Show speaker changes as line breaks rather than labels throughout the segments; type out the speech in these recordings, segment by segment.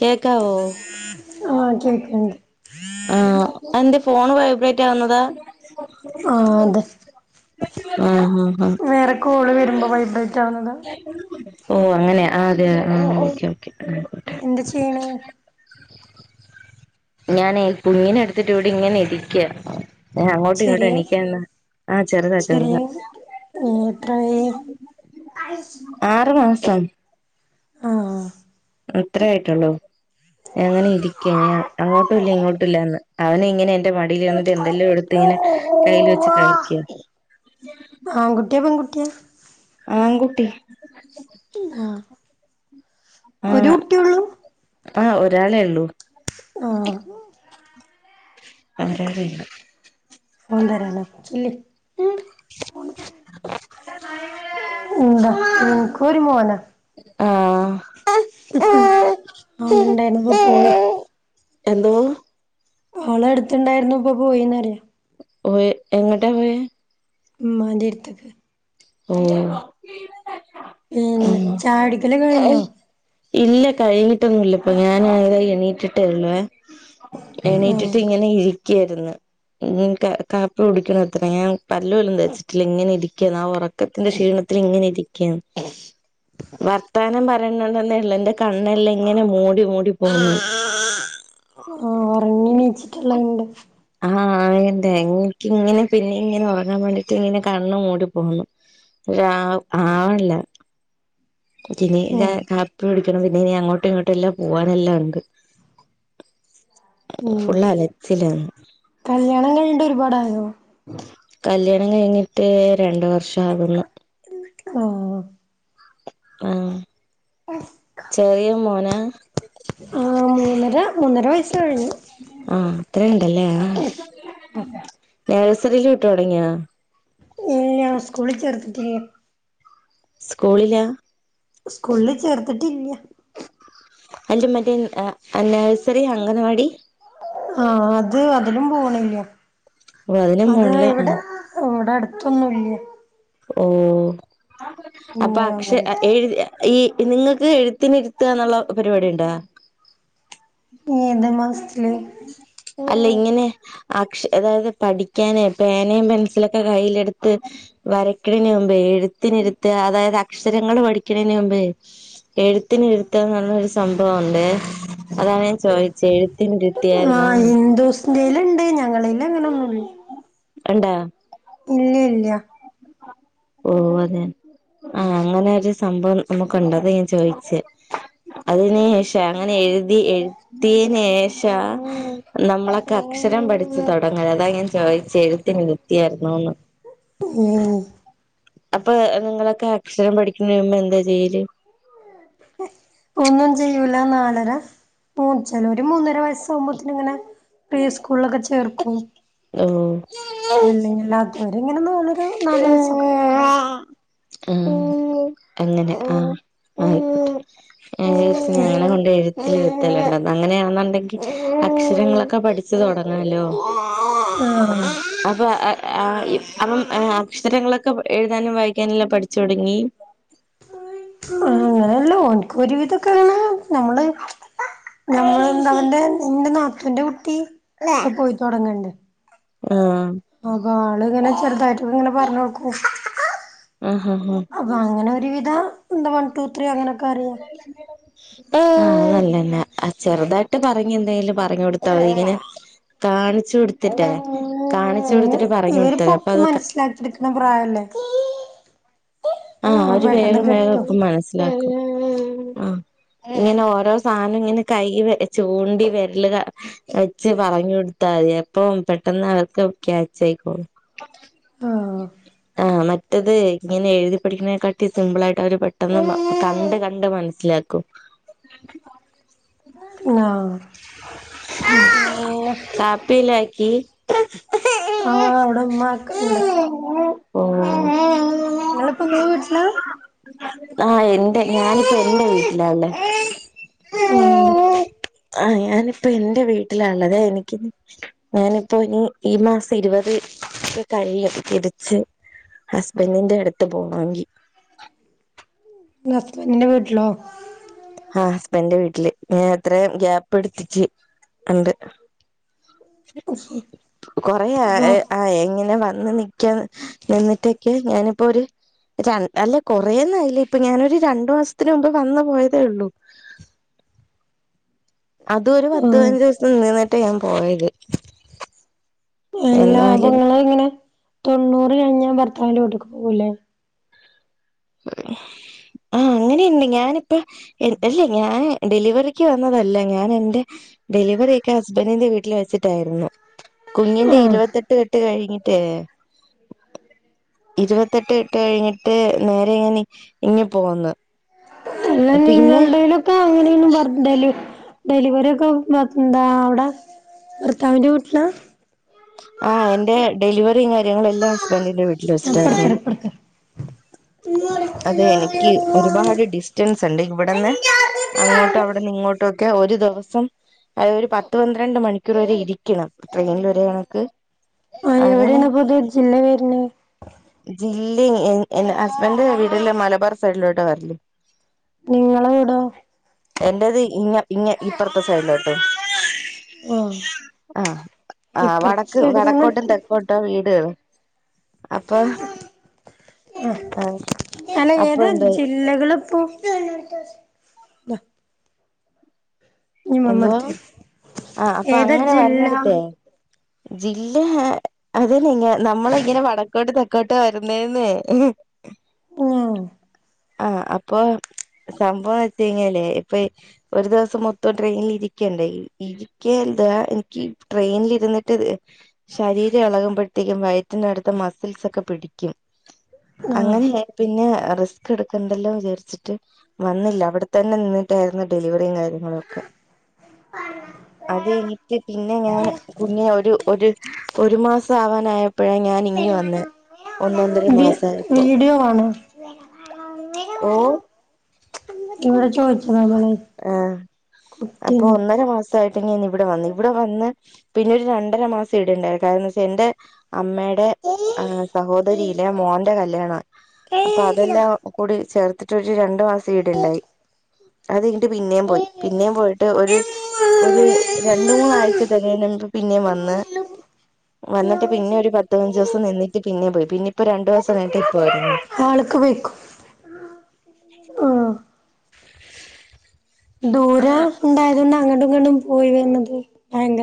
കേക്കാവോ
ആഹ് കേക്ക്ണ്ട്
ആ അഎന്തേ ഫോണ് വൈബ്രേറ്റ് ആവുന്നത്
ആഹ് അതെ
ആഹ് ആഹ് ആഹ്
വേറെ കോള് വരുമ്പോ വൈബ്രേറ്റ് ആവുന്നത്
ഓ അങ്ങനെയ അതെ ആ ഒക്കെ
എന്ത്‌ ചെയ്യണ്
ഞാനെ കുഞ്ഞിനെ എടുത്തിട്ട് ഇവിടെ ഇങ്ങനെ ഇരിക്ക ഏ അങ്ങോട്ടും ഇങ്ങോട്ടും
ചെറിയ
എണിക്കാനുള്ള ആ ചെറുതാ ചെറുതാ
ആ എത്രയി
ആറു മാസം
ആഹ്
അത്ര ആയിട്ടുള്ളൂ അങ്ങനെ ഇരിക്ക ഞ അങ്ങോട്ടുംല്ല ഇങ്ങോട്ടുംമില്ലന്ന് അവന ഇങ്ങനെ എന്റെ മടിൽ ഇരുന്നിട്ട് എന്തെല്ലാ എടുത്ത് ഇങ്ങനെ കയ്ൽ വെച്ച് കളിക്ക
ആൺ കുട്ടിയ പെൺകുട്ടിയ
ആൺകുട്ടി
ആഹ് ഒരു
ആഹ്
കുട്ടിയൊള്ളൂ
ആഹ് ഒരാളേ ഉള്ളൂ
ആഹ്
ഒരാളേ ഉള്ളൂ
ഫോൺ തരാന ചെല്ല് ന്താ നിങ്ങക്കൊരുമോന
ആഹ്
ആളുണ്ടായിനു പ്പ പോയി
എന്തോ
അവള അടുത്തണ്ടായിരുന്നു ഇപ്പൊ പോയിന്നറിയ
ഓ എങ്ങൊട്ടാ പോയെ
മ്മാന്റെട്ത്ത്ക്ക്
ഓ
പിന്നെ
ഉം
ചായുടിക്കല് കഴിഞ്ഞോ
ഇല്ല കഴിഞ്ഞിട്ടൊന്നുല്ല ഇപ്പൊ ഞാൻ ആണെ എണീറ്റ്ട്ടേ ഉള്ളുവെ
ആഹ്
എണീറ്റിട്ട് ഇങ്ങനെ ഇരിക്കായിരുന്നു ഇനി എ ക കാപ്പി കുടിക്കണ ത്ര ഞാൻ പല്ലുപോലും തേച്ചിട്ടില്ല ഇങ്ങനെ ഇരിക്ക ആ ഉറ ക്കത്തിന്റെ ക്ഷീണത്തിൽ ഇങ്ങനെ ഇരിക്കാണ് വർത്താനം പറയണണ്ടെന്നേ ഉള്ളു എന്റെ കണ്ണെല്ലാം ഇങ്ങനെ മൂടി മൂടി പോവുന്നു
ആഹ് ഉറങ്ങി എണീറ്റിട്ടെല്ലാണ്ട്
ആഹ് ആയെന്ത എനിക്ക് ഇങ്ങനെ പിന്നേം ഇങ്ങനെ ഉറങ്ങാൻ വേണ്ടിട്ട് ഇങ്ങനെ കണ്ണു മൂടി പോവുന്നു ഒരാവ്‌ ആവ്ണ്ല്ല പിന്നീട്
ആഹ്
കാപ്പികുടിക്കണം പിന്നെ ഇനി അങ്ങോട്ടും ഇങ്ങോട്ടും എല്ലാം പോവാന് എല്ലാം ഉണ്ട്
ഉം
ഫുള്ള് അലച്ചിലാ
കല്യാണം കഴിഞ്ഞിട്ട് ഒരുപാടായോ
കല്യാണം കഴിഞ്ഞിട്ട് രണ്ട് വർഷം ആകുന്നു
ആഹ്
ആഹ് ചെറിയ മോന
ആഹ് മൂന്നര മൂന്നര വയസ്സ് കഴിഞ്ഞു
ആഹ് അത്രണ്ടല്ലേ ആഹ്
വഹ്
നേഴ്സറില് വിട്ടു തുടങ്ങിയോ
ഇല്ല്യ സ്കൂളിൽ ചേർത്തിട്ടില്ല
സ്കൂളില
സ്കൂളില് ചേർത്തിട്ടില്ല
അല്ല മറ്റേ നേഴ്സറി അംഗൻവാടി
ആഹ് അത് അതിലും പോണില്ല്യ
ഓ അതിനും
അത്
പോണില്ല
ഇവിടെ
ആഹ്
ഇവിടെ അടുത്തൊന്നുംല്ല്യ
ഓ അപ്പ അക്ഷ
പിന്നെ
എഴുതിയ ഈ നിങ്ങൾക്ക് എഴുത്തിനി ഇരുത്ത ന്നുള്ള പരിപാടി ഉണ്ടോ
ഏത് മാസത്തില്
അല്ല ഇങ്ങനെ അക്ഷ അതായത് പഠിക്കാനെ പേനയും പെൻസിലൊക്കെ കയ്യിലെടുത്ത് വരയ്ക്കണന് മുമ്പേ എഴുത്തിന് ഇരുത്ത അതായത് അക്ഷരങ്ങള് പഠിക്കണതിന് മുമ്പേ എഴുത്തിന് ഇരുത്തന്നറഞ്ഞരു സംഭവംണ്ടെ അതാണ് ഞാൻ ചോദിച്ചേ എഴുത്തിന് ഇരു-
ആഹ് ഹിന്ദുസിന്റെല് ഇണ്ട് ഞങ്ങളേല് അങ്ങനൊന്നും ഇ -
ഇ ണ്ടാ
ഇല്ല്യല്ല്യ
ഓഹ് അതെ ആഹ് അങ്ങനെ ഒരു സംഭവം നമ്മക്ക് ഉണ്ട് അതാ ഞാൻ ചോയിച്ചേ അതിന് ശേ അങ്ങനെ എഴുതി എ- തിനേഷ നമ്മളൊക്കെ അക്ഷരം പഠിച്ചു തുടങ്ങല് അതാ ഞാൻ ചോയ്ച്ചേ എഴുത്തിന് ര്ത്തിയായിരുന്നുന്ന്
ഉം
അപ്പൊ നിങ്ങളൊക്കെ അക്ഷരം പഠിക്കുന്നതിന് മുമ്പ് എന്താ ചെയ്യല്
ഒന്നും ചെയ്യൂല നാലര മൂ ചെലൊര് മൂന്നര വയസ്സാകുമ്പോത്തിന് ഇങ്ങനെ പ്രീ സ്കൂളിലൊക്കെ ചേർക്കും
ഉം
രണ്ടിലും അല്ലാത്തവര് ഇങ്ങനൊരു നാല് വയസ്സൊക്കെ ആകുമ്പോ താക്കും
ആഹ് അങ്ങനെ ആഹ് ആയിക്കോട്ടെ ഞാൻ വിചാരിച്ച് ഇനി അങ്ങനെ കൊണ്ട് എഴു ത്തിലുള്ളത് അങ്ങനെയാണെന്നുണ്ടെങ്കിൽ അക്ഷരങ്ങളൊക്കെ പഠിച്ച് തുട- ങ്ങാലോ
ആഹ്
അപ്പൊ അ ആ അപ്പം ഏഹ് അക്ഷരങ്ങളൊക്കെ എഴുതാനും വായിക്കാനും എല്ലാം പഠിച്ചു തുടങ്ങി
ആഹ് അങ്ങനെയല്ല ഓൻക്ക് ഒരു വിതൊക്കെ നമ്മള് ഞമ്മള് [unintelligible] ന്റെ നാത്തൂന്റെ കുട്ടി ഇപ്പ പോയിതൊടങ്ണ്ട്
ആഹ്
അപ്പൊ ആള് ഇങ്ങനെ ചെറുതായിട്ടൊക്കങ്ങനെ പറഞ്ഞൊട്ക്കു
ആഹ് ആഹ് ആഹ്
അപ്പൊ അങ്ങനെ ഒരു വിധം എന്താ വൺ ടു ത്രീ അങ്ങനെയൊക്കെ അറിയാം
[inaudible] ആഹ് അല്ലല്ല ചെറുതായിട്ട് പറഞ്ഞ എന്തെങ്കിലും പറഞ് കൊടുത്താ മതി ഇവന് കാണിച്ചു കൊടുത്തിട്ടേ കാണിച്ചു കൊടുത്തിട്ട് പറഞ്ഞ് കൊടുത്ത മതി അപ്പ അത്
ന്റട്ത് നിക്കുന്ന പ്രായല്ലേ
ആഹ്
അപ്പൊ
അവര്
പെട്ടെന്ന്
വേഗം വേഗം
കിട്ടും
ഇപ്പം മനസ്സിലാക്കും ആഹ് ഇങ്ങനെ ഓരോ സാധനം ഇങ്ങനെ കൈ ചൂണ്ടി വിരലു ക വെച്ച് പറഞ്ഞു കൊടുത്താ മതി അപ്പൊ പെട്ടെന്ന് അവർക്ക് ക്യാച്ച് ആയിക്കോളും.
ആഹ്
ആഹ് മറ്റത് ഇങ്ങനെ എഴുതി പഠിക്കതിനെക്കാട്ടി സിമ്പിളായിട്ട് അവര് പെട്ടെന്ന് കണ്ട് കണ്ട് മനസ്സിലാക്കും.
ആഹ് പിന്നെ
കാപ്പിലാക്കി
ആഹ് അവിടെ ഉമ്മ യാക്കണ്ട്
ഓ
നിങ്ങളിപ്പോ നിങ്ങടെ വീട്ടിലാ
ആഹ് എന്റെ ഞാനിപ്പോ എൻ്റെ വീട്ടിലാ ഉള്ളെ
ഉം
ആഹ് ഞാനിപ്പ എൻ്റെ വീട്ടിലാ ഉള്ളതെ എനിക്ക് ഞാനിപ്പോ ഇനി ഈ മാസം ഇരുപത്ക്കെ കഴിയും തിരിച്ച് ഹസ്ബൻിന്റെ അടുത്ത് പോണോങ്കി
നീ ഹസ്ബൻ്റിൻ്റെ വീട്ടിലോ
ആഹ് ഹസ്ബന്റിന്റെ വീട്ടില് ഞാൻ എത്രയും ഗ്യാപ്പ് എടുത്തിട്ട് ഉണ്ട്. കൊറെ
അപ്പൊ
ആയി എങ്ങനെ വന്ന് നി നിന്നിട്ടൊക്കെ ഞാനിപ്പോ ഒര് രണ് അല്ല കൊറേഒന്നു അയില്ല ഇപ്പൊ ഞാനൊരു രണ്ടു മാസത്തിന് മുമ്പ് വന്ന് പോയതേ ഉള്ളൂ. അതുവൊരു പത്ത്
ഉം
പതിനഞ്ചു ദിവസം നിന്നിട്ട് ഞാൻ പോയത്
എല്ലാ അപ്പൊ
എന്നാലും
നിങ്ങള് ഇങ്ങനെ തൊണ്ണൂറ് കഴിഞ്ഞാ ഭർത്താവിന്റെ വിട്ട്ക്ക് പോകൂല്ലേ [inaudible]
ആഹ് അങ്ങനെയുണ്ട് ഞാനിപ്പ അല്ല ഞാന് ഡെലിവറിക്ക് വന്നതല്ല ഞാൻ എൻ്റെ ഡെലിവെറിയൊക്കെ ഹസ്ബൻ്റിന്റെ വീട്ട്‌ല് വെച്ചിട്ടായിരുന്നു. കുഞ്ഞിന്റെ
ആഹ്
ഇരുവത്തെട്ട് കെട്ട് കഴിഞ്ഞിട്ടേ ഇരുവ ത്തെട്ട് കെട്ട് കഴിഞ്ഞിട്ട് നേരെ ഇന്നി ഇങ്ങി പോന്ന്.
എല്ലാം
പിന്നെ
നിങ്ങൾടേലും പ്പ അങ്ങനേയൊന്നും പറഞ്ഞ് ഡെല് ഡെലിവറി ഒക്കെ മ്മാത് ന്താ അവ്ടെ ഭർത്താവ്ൻ്റെ വീട്ട്ലാ.
ആഹ് എന്റെ ഡെലിവറിയും കാര്യങ്ങളും എല്ലാം ഹസ്ബൻ്റിന്റെ വീട്ട്‌ല് വെച്ചിട്ടായിരുന്നു.
ഇപ്പട്ത്തെരാ ഇപ്പട്ത്തെരാ
അതെ എനിക്ക് ഒരുപാട് ഡിസ്റ്റൻസ് ണ്ട് ഇവടന്ന് അങ്ങോട്ട് അവ വട്ന്ന് ഇങ്ങോട്ടൊക്കെ ഒര് ദിവസം അത് ഒരു പത്ത്, പന്ത്രണ്ട് മണിക്കൂർ വരെ ഇരിക്കണം. ട്രെയിനില് ഒരു കണക്ക്
ആഹ്
അതെന്നെ
എവിടെയാണ് അപ്പൊ ഇത് ജില്ല വരുന്നെ
ജില്ലേം എൻഎൻ്റെ ഹസ്ബൻ്റ് വീട്ടില് മലബാർ സൈഡിലോട്ടാ വര്‌ല്
നിങ്ങളെ വീടോ?
എന്റേത് ഇങ്ങ ഇങ്ങ ഇപ്പർത്തെ സൈഡിലോട്ടും.
ആഹ് ഇപ്പർത്തെ
ത് വടക്കോട്ടും, തെക്കോട്ടുവാ വീട്കള്. അപ്പൊ ആഹ് അപ്പൊ എന്ത്
ജില്ലകള്പ്പൊ ഇനി മമ്മ
എന്തുവാ.
എടുത്ത് തരും
ആഹ് അപ്പൊ
ഏതാ
അങ്ങനെ
ജില്ല
വര്ണേടത്തേ ജില്ലാ അത് നിങ്ങ നമ്മള് ഇങ്ങനെ വടക്കോട്ട്, തെ ക്കോട്ടൊ വരുന്നേന്നെ
ആഹ്
ആഹ് അപ്പൊ സംഭവം വെച്ചെയിഞ്ഞലേ ഇപ്പൊ യി ഒരു ദിവസം മൊത്തം ട്രെയിനിലി രിക്കണ്ടേ. ഇരി ഇരിക്ക ന്താ എനിക്ക് ട്രെയിൻൽ ഇര്ന്ന്ട്ട് ശരീരം എളകുമ്പൊഴത്തേക്കും വയറ്റിന്റെ ട്ത്ത് മസിൽസ് ഒക്കെ പിടിക്കും.
ആഹ്
അങ്ങനെ പിന്നെ റിസ്ക്ക് എട്ക്കണ്ടല്ലോ വിചാരിച്ചിട്ട് വന്നില്ല അവ്ടെ തന്നെ നിന്ന്ട്ടായിരുന്നു ഡെലിവറിയും കാര്യങ്ങളൊക്കെ
[unintelligible]
അതേയ് എനിക്ക് പിന്നെ ഞാന് കുഞ്ഞിന് ഒരു ഒര് ഒരു മാസം ആവാനായപ്പൊഴാ ഞാന് ഇങ്ങ് വന്നേ. ഒന്നൊന്നര മാസായപ്പൊ.
വ്ടിയോ ആണ്.
ഓഹ്
ഇവടെ ചോദിച്ചതാ. വ്ളെ
ആഹ്. അപ്പൊ ഒന്നര മാസം സ്തായിട്ട് നി ഇവ്ടെ വന്നെ. ഇവ്ടെ വന്ന് പിന്നെ രണ്ടര മാസം ഇടേണ്ടായിര്ന്ന്. കാരണം വെച്ചാ എന്റെ അമ്മേടെ ആഹ് സഹോദരിയിലെ മോന്റെ കല്യാണാ. അപ്പൊ അതെല്ലാം കൂടി ചേർതിട്ടൊര് രണ്ട് മാസം ഈ ടേണ്ടായി. അതേഞ്ഞിട്ട് പിന്നേം പോയി. പിന്നേയും പോയിട്ട് ഒര് ഒര് രണ്ട്, മൂന്നാഴ്ച തെകയ്ന്നന്ന് പിന്നേം വന്ന്. വന്നിട്ട് പിന്നെ ഒരു പത്തു പയിഞ്ചോ സം നിന്നിട്ട് പിന്നെയും പോയി. പിന്നെ പ്പൊ രണ്ടു ദിവസായിട്ട് ഇപ്പം വരുന്ന്.
ആൾക്ക് വെയ്ക്കൊ ദൂര
ആഹ്
ണ്ടായതു കൊണ്ട് അങ്ങട്ടും, ഇങ്ങട്ടും പോയി വെര്നെത്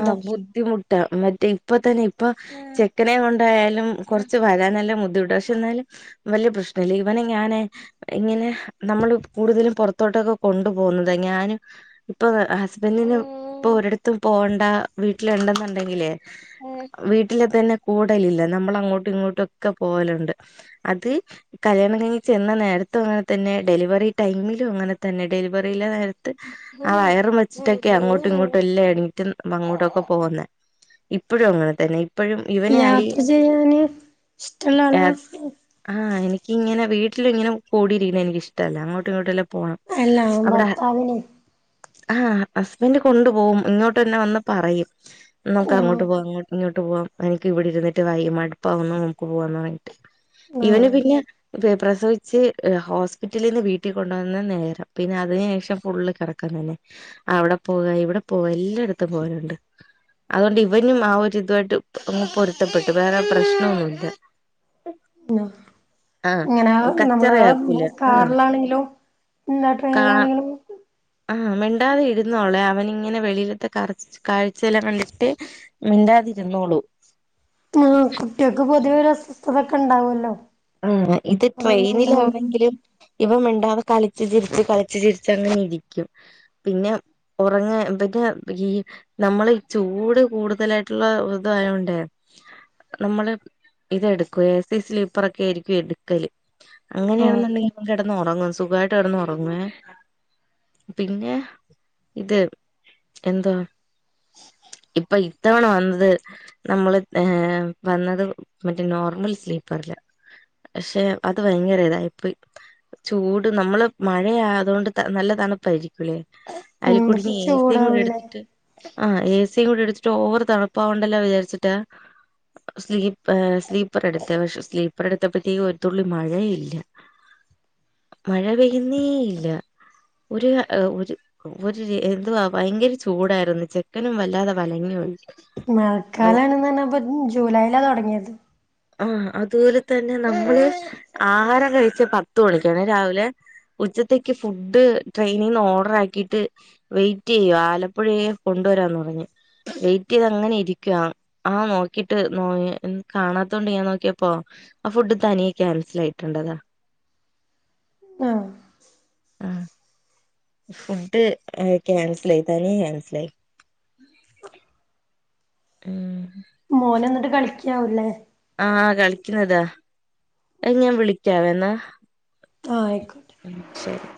ആഹ് ബുദ്ധിമുട്ടാ. മറ്റേ ഇപ്പൊ തന്നെ ഇപ്പൊ ചെക്കനെ കൊണ്ടായാലും കൊറച്ച് വരാൻ നല്ല ബുദ്ധിമുട്ട പക്ഷെ എന്നാലും വല്യ പ്രശ്നമില്ല ഇവനെ ഞാനെ ഇങ്ങനെ നമ്മള് കൂടുതലും പൊറത്തോട്ടൊക്കെ കൊണ്ടു പോകുന്നതാ ഞാനും ഇപ്പൊ ഹസ്ബൻന്റിനും ഇപ്പൊ ഒരിടത്തും പോണ്ടാ വീട്ടിലുണ്ടെന്നുണ്ടെങ്കിലേ വീട്ടില് തന്നെ കൂടലില്ല നമ്മൾ അങ്ങോട്ടും ഇങ്ങോട്ടൊക്കെ പോവലുണ്ട് അത് കല്യാണം കഴിഞ്ഞ് ചെന്ന നേരത്തും അങ്ങനെ തന്നെയാ ഡെലിവറി ടൈമിലും അങ്ങനെ തന്നെ ഡെലിവറിയിലെ നേരത്ത് ആഹ് വയറും വച്ചിട്ടൊക്കെയാ അങ്ങോട്ടും ഇങ്ങോട്ടും എല്ലാം എടെയും റ്റുൻ മങ്ങോടൊക്കെ പോകുന്നെ ഇപ്പോഴും അങ്ങനെ തന്നെയെ
യാത്ര ചെയ്യാന് ഇഷ്ടമുള്ള ആളാ
ആഹ് എനിക്കിങ്ങനെവീട്ടില് ഇങ്ങനെ കൂടിരിക്കണെ എനിക്കിഷ്ടല്ല അങ്ങോട്ടും ഇങ്ങോട്ടും എല്ലാം പോണം
അല്ല ഭർത്താവിനെ
ആഹ് ഹസ്ബൻഡ് കൊണ്ടു പോകും ഇങ്ങോട്ട്ന്നെ വന്ന് പറയും നമുക്ക്
ആഹ്
അങ്ങോട്ട് പോവാ ഇങ്ങോട്ട് പോവാം എനിക്ക് ഇവിടെ ഇരുന്നിട്ട് വയ് മടുപ്പാവന്ന് നമുക്ക് പോവാന്ന് പറയും
ആഹ്
ഇവന് പിന്നെ വേ പ്രസവിച്ച് ഹോസ്പിറ്റലിന്ന് വീട്ടിൽ കൊണ്ടു വന്ന നേരം പിന്നെ അതിനു ശേഷം ഫുള്ള് കറക്ക ക്കം തന്നെ അവിടെ പോകവ ഇവിടെ പോവാ എല്ലായിടത്തും പോലുണ്ട് അതുകൊണ്ട് ഇവനും ആ ഒരീതുമായിട്ട് അങ്ങ് പൊരുത്തപ്പെട്ടു വേറെ പ്രശ്നമൊന്നുമില്ല
ആഹ്
ആഹ്
ഇങ്ങനെ നമ്മള്
കച്ചറയാക്കൂല ആഹ്
കാറിലാണെങ്കിലോ എന്ന
കാ
ട്രെയിനിലാണെങ്കിലും
ആഹ് മിണ്ടാതെ ഇരുന്നോളെ അവൻ ഇങ്ങനെ വെളിയിലത്തെ കർച്ച് കാഴ്ചയെല്ലാം കണ്ടിട്ട് മിണ്ടാതിരുന്നൊളും
ആഹ് കുട്ടികക്ക് പൊതുവെ ഒരു അസ്വസ്ഥതൊക്കെ ഉണ്ടാവുമല്ലോ
ഉം ഇത്
അതൊന്നും ഉണ്ടാവില്ല
ട്രെയിനിലാണെങ്കിലും ഇവൻ മിണ്ടാതെ കളിച്ചു ചിരിച്ച് കളിച്ചു ചിരിച്ച് അങ്ങനെ ഇരിക്കും പിന്നെ ഉറങ്ങ ബിന്നെ ഈ നമ്മള് ഈ ചൂട് കൂടുതലായിട്ടുള്ള ഇതായോണ്ടെ നമ്മള് ഇതെടുക്കുവെ എ സി സ്ലീപ്പറോക്കെ ആയിരിക്കും എടുക്കല്
ആഹ്
അങ്ങനെയണെന്നുണ്ടെങ്കിൽ അവൻ കിടന്നു ഉറങ്ങും സുഖമായിട്ട് കിടന്ന് ഉറങ്ങുവേ പിന്നെ ഇത് എന്തുവാ ഇപ്പൊ ഇത്തവണ വന്നത് നമ്മള് ഏഹ് വന്നത് മറ്റേ നോർമൽ സ്ലീപ്പറില പക്ഷെ അത് ഭയങ്കര ഇതായിപ്പോയി ചൂട് നമ്മള് മഴയാത കൊണ്ട് നല്ല തണുപ്പായിരിക്കുംല്ലേ
ഉം
അതിൽക്കൂടി
പക്ഷെ
ഇനി ഏസിയും കൂടി
ചൂടാവൂലേ
എടുത്തിട്ട് ആഹ് എ സിയും കൂടി എടുത്തിട്ട് ഓവർ തണുപ്പ് ആകണ്ടല്ലോ വിചാരിച്ചിട്ടാ സ്ലീപ് ആ സ്ലീപ്പർ എടുത്തേ പക്ഷേ സ്ലീപ് പ്പറെടുത്തപ്പത്തേക്കും ഒരുത്തുള്ളി മഴയ ഇല്ല മഴ പെയ്യുന്നേ ഇല്ല ഒരു കാ ഒരു ഒരു രേ എന്തുവാ ഭയങ്കര ചൂടായിരുന്നു ചെക്കനും വല്ലാതെ വലഞ്ഞു പോയി അത്
മഴക്കാലണന്ന് പറഞ്ഞ ഇപ്പൊ ജൂലൈയിലാ തുടങ്ങിയത്
ആഹ് അതുപോലെ തന്നെ നമ്മള് ആഹാരം കഴിിച്ച പത്തു മണിക്കാണേ രാവിലെ ഉച്ചത്തേക്ക് ഫുഡ് ട്രെയിനിന്ന് ഓർഡർ ആക്കിയിട്ട് വെയിറ്റ് ചെയ്യുവാ ആലപ്പുഴയ കൊണ്ടുവരാന്ന് പറഞ്ഞു വെയിറ്റ് ചെയ്ത് അങ്ങനെ ഇരിക്കുവാ ആ നോക്കിട്ട് നോ കാണാത്ത ത്തോണ്ട് ഞാൻ നോക്കിയപ്പോ ആ ഫുഡ് തനിയ ക്യാൻസൽ ആയിട്ടുണ്ടതാ
ആ
ആഹ് ഫുഡ് ക്യാൻസൽയി തനിയെ ക്യാൻസിലായി ഉം
മോനൊ ന്നിട്ട് കളിക്ക്യാവൂല്ലേ
ആഹ കളിക്കുന്നതാ എങ്ങഞാൻ വിളിക്ക വ എന്നാ
ആഹ് ആയിക്കോട്ടെ
ഉം ശരി